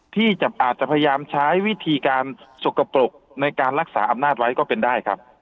ที่อาจจะพยายามใช้วิธีการสกปรกในการรักษาอำนาจไว้ก็เป็นได้ครับ